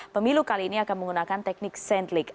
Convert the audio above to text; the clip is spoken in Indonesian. pemilu kali ini akan menggunakan teknik saint lake